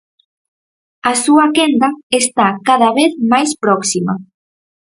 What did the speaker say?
A súa quenda está cada vez máis próxima.